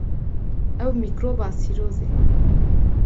Ew mîkroba sîrozê.